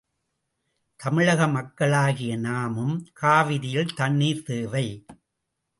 தமிழக மக்களாகிய நாமும் காவிரியில் தண்ணீர் தேவை!